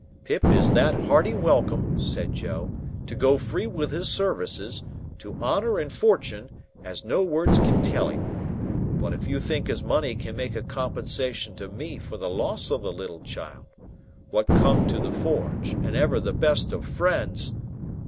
"Pip is that hearty welcome," said Joe, "to go free with his services, to honour and fortun', as no words can tell him. But if you think as Money can make compensation to me for the loss of the little child—what come to the forge—and ever the best of friends!